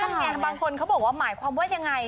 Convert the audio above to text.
ไงบางคนเขาบอกว่าหมายความว่ายังไง